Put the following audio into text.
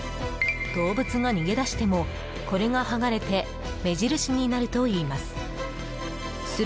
動物が逃げ出してもこれが剥がれて目印になるといいます。